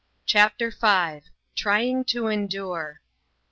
CHAPTER V. TRYING TO ENDURE.